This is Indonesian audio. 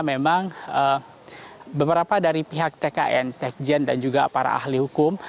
memang beberapa dari pihak tkn sekjen dan juga para ahli hukum